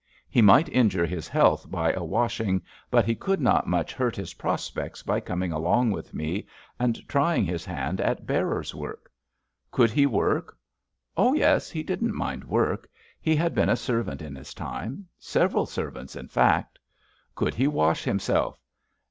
He might injure his health by a washing, but he could not much hurt his prospects by coming along with me and trying his hand at bearer's work. Could he work! " THE NEW DISPENSATION— n 291 Oh, yes, he didn't mind work. He had been a servant in his time. Several servants, in fact. '' Could he wash himself?